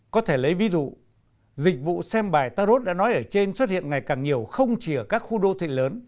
có thể lấy ví dụ dịch vụ xem bài tarot đã nói ở trên xuất hiện ngày càng nhiều không chỉ ở các khu đô thị lớn